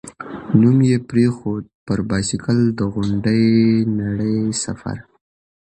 نوم یې پرېښود، «پر بایسکل د غونډې نړۍ سفر».